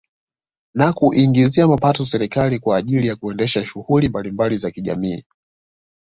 Na kuiingizia mapato serikali kwa ajili ya kuendesha shughuli mbalimbali za kijamiii